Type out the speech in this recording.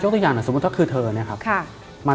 โอ้โหยกตัวอย่างหน่อยสมมุติถ้าคือเธอเนี่ยครับ